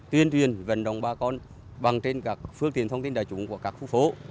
tuyên truyền vận động bà con bằng trên các phương tiện thông tin đại chúng của các khu phố